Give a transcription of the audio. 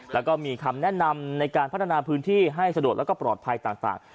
แล้วก็มีคำแนะนำในการพัฒนาพื้นที่ให้สะดวกแล้วก็ปลอดภัยต่าง